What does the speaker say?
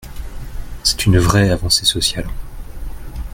C’est une vraie avancée sociale.